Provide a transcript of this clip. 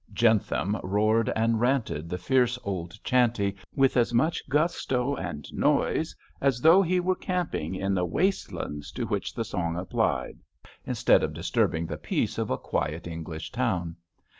Jentham roared and ranted the fierce old chanty with as much gusto and noise as though he were camping in the waste lands to which the song applied, instead of disturbing the peace of a quiet English town.